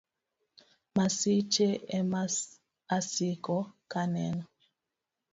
Masiche emaasiko kaneno.